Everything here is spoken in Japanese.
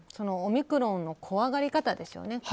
オミクロンの怖がり方ですよね。